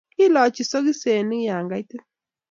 Kiilochi sokiseni ya kaitit